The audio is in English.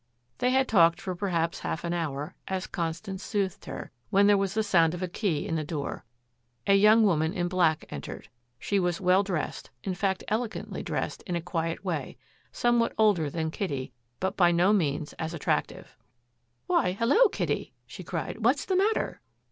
They had talked for perhaps half an hour, as Constance soothed her, when there was the sound of a key in the door. A young woman in black entered. She was well dressed, in fact elegantly dressed in a quiet way, somewhat older than Kitty, but by no means as attractive. "Why hello, Kitty," she cried, "what's the matter!"